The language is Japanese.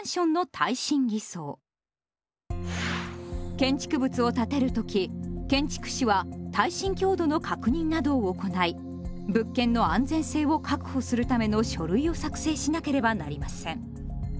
建築物を建てるとき建築士は耐震強度の確認などを行い物件の安全性を確保するための書類を作成しなければなりません。